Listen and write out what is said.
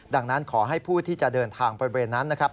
ดังนั้นขอให้ผู้ที่จะเดินทางบริเวณนั้นนะครับ